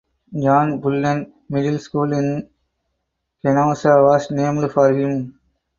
John Bullen Middle School in Kenosha was named for him.